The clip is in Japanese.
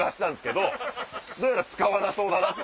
どうやら使わなそうだなって。